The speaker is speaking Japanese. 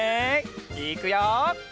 いくよ！